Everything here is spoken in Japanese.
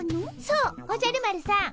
そうおじゃる丸さん。